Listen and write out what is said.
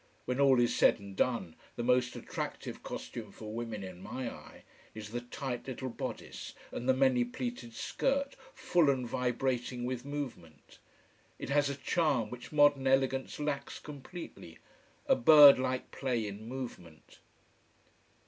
When all is said and done, the most attractive costume for women in my eye, is the tight little bodice and the many pleated skirt, full and vibrating with movement. It has a charm which modern elegance lacks completely a bird like play in movement.